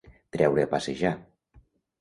Treure a passejar.